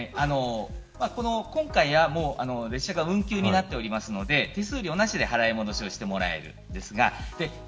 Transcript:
列車が運休になっていますので手数料なしで払い戻しをしてもらえるんです。